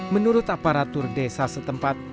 menurut aparatur desa setempat